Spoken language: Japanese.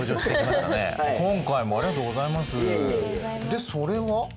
でそれは？